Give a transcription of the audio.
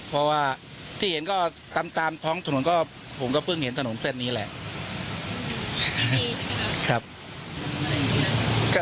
เพราะว่าที่เห็นก็ตามท้องถนนก็ผมก็เพิ่งเห็นถนนเส้นนี้แหละ